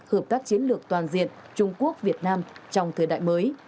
hợp tác chiến lược toàn diện trung quốc việt nam trong thời đại mới